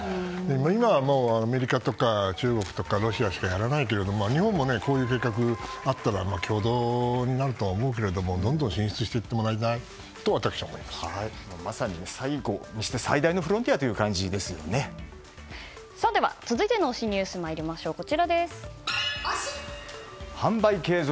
今はアメリカとか中国とかロシアしかやらないけど日本でもこういう計画があったら共同になるとは思うけれどもどんどん進出していってもらいたいとまさに最後にして最大のでは、続いての推しニュース販売継続